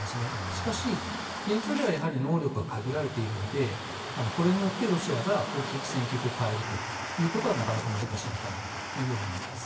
しかし、現状ではやはり能力が限られているのでこれによって、ロシアが大きく戦局を変えるというのはなかなか難しいのかなと思います。